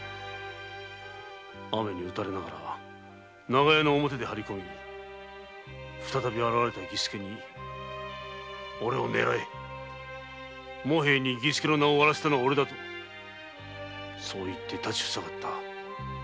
雨に打たれながら長屋の表に張り込み再び現れた儀助に「おれを狙え茂平に儀助の名を割らせたのはおれだ」とそう言って立ち塞がった。